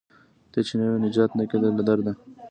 ته چې نه وې نجات نه کیده له درده